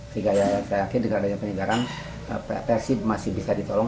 saya yakin dengan penyegaran persib masih bisa ditolong